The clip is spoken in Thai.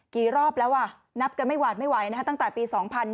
กี่รอบแล้วอ่ะนับกันไม่หวาดไม่ไหวตั้งแต่ปี๒๕๕๙